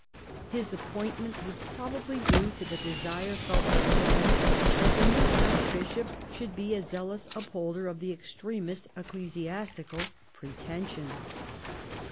His appointment was probably due to the desire felt at Rome that the new archbishop sliould be a zealous upholder of the extremest ecclesi astical pretensions.